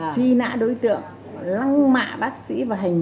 chuy nã đối tượng lăng mạ bác sĩ và hành vi